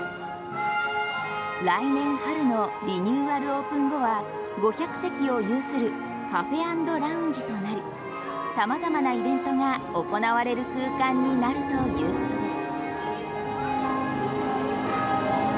来年春のリニューアルオープン後は５００席を有するカフェアンドラウンジとなり様々なイベントが行われる空間になるということです。